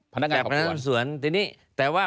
พนักงานของตัวแต่ว่า